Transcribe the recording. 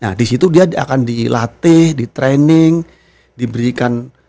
nah disitu dia akan dilatih ditraining diberikan produk yang lebih baik